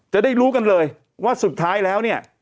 จะได้รู้กันเลยว่าสุดท้ายแล้วเนี่ย